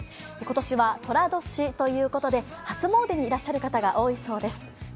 今年はとら年ということで、初詣にいらっしゃる方が多いそうです。